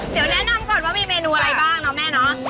เดี๋ยวแนะนำก่อนว่ามีเมนูอะไรบ้างเนาะแม่เนาะ